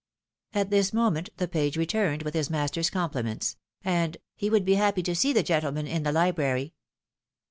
At this moment the page returned with his master's compli ments, and " he would be happy to see the gentleman in the library."